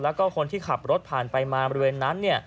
แล้วก็คนที่ขับรถผ่านไปมาบริเวณนั้น